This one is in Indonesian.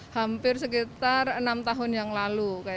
hampir sekitar enam tahun yang lalu